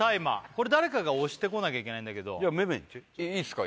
これ誰かが押してこなきゃいけないんだけどじゃあめめ行っていいんすか？